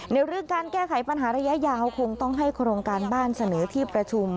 ในเรื่องการแก้ไขปัญหาระยะยาวคงต้องให้โครงการบ้านเสนอที่ประชุม